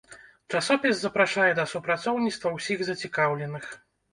Часопіс запрашае да супрацоўніцтва ўсіх зацікаўленых.